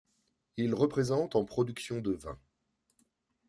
Il représente en production de vin.